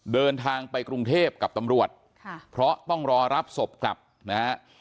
เดินทางไปกรุงเทพกับตำรวจค่ะเพราะต้องรอรับศพกลับนะฮะ